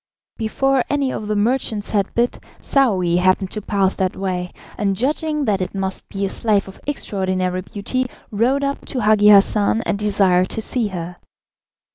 Before any of the merchants had bid, Saouy happened to pass that way, and judging that it must be a slave of extraordinary beauty, rode up to Hagi Hassan and desired to see her.